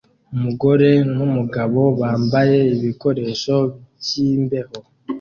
Umugore numugabo bambaye ibikoresho byimbeho